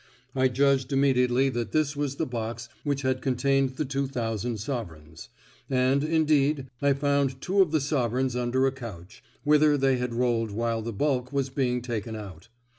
I judged immediately that this was the box which had contained the two thousand sovereigns; and, indeed, I found two of the sovereigns under a couch, whither they had rolled while the bulk was being taken out.